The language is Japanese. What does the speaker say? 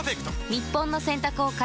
日本の洗濯を変える１本。